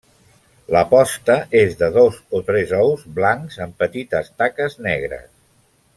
La posta és de dos o tres ous, blancs amb petites taques negres.